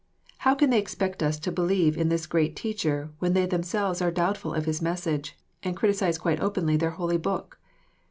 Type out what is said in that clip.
How can they expect us to believe in this great Teacher when they themselves are doubtful of his message, and criticise quite openly their Holy Book?